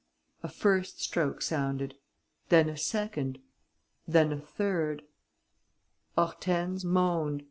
A first stroke sounded, then a second, then a third. Hortense moaned.